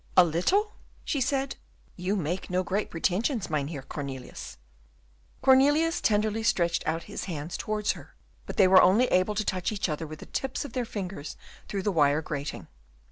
"A little?" she said, "you make no great pretensions, Mynheer Cornelius." Cornelius tenderly stretched out his hands towards her, but they were only able to touch each other with the tips of their fingers through the wire grating.